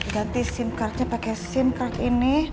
ganti sim cardnya pakai sim card ini